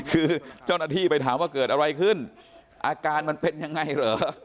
คือเจ้าหน้าที่ไปถามว่าเกิดอะไรขึ้นอาการมันเป็นยังไงเหรอ